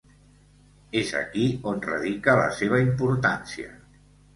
És aquí on radica la seva importància.